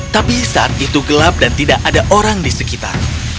tapi saat itu gelap dan tidak ada orang di sekitar